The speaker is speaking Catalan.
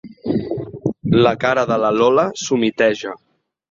La cara de la Lola s'humiteja.